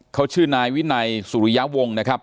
เขาชื่อนายวินัยสุริยะวงนะครับ